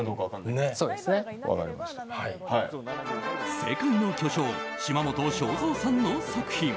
世界の巨匠嶋本昭三さんの作品。